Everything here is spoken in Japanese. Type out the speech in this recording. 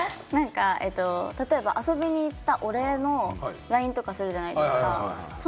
例えば遊びに行った、お礼のＬＩＮＥとかするじゃないですか。